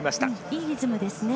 いいリズムですね。